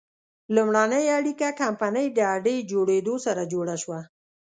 لومړنۍ اړیکه کمپنۍ د اډې جوړېدو سره جوړه شوه.